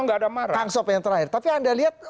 nggak ada kang sob yang terakhir tapi anda lihat